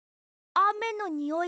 あめのにおい？